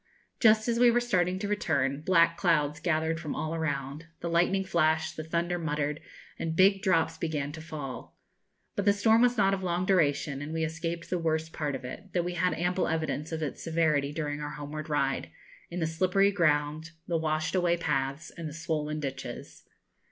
Just as we were starting to return, black clouds gathered from all around; the lightning flashed, the thunder muttered, and big drops began to fall. But the storm was not of long duration, and we escaped the worst part of it, though we had ample evidence of its severity during our homeward ride, in the slippery ground, the washed away paths, and the swollen ditches.